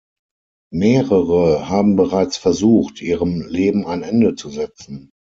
Mehrere haben bereits versucht, ihrem Leben ein Ende zu setzen.